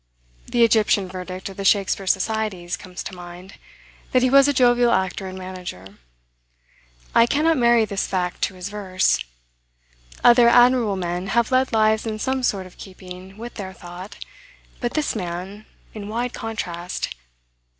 The Egyptian verdict of the Shakspeare Societies comes to mind, that he was a jovial actor and manager. I cannot marry this fact to his verse. Other admirable men have led lives in some sort of keeping with their thought; but this man, in wide contrast.